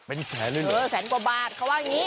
เออแสนกว่าบาทเขาว่าอย่างนี้